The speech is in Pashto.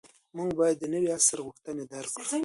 موږ باید د نوي عصر غوښتنې درک کړو.